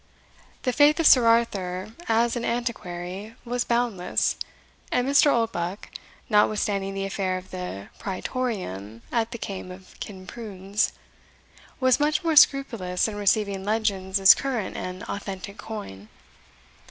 The faith of Sir Arthur, as an antiquary, was boundless, and Mr. Oldbuck (notwithstanding the affair of the Praetorium at the Kaim of Kinprunes) was much more scrupulous in receiving legends as current and authentic coin.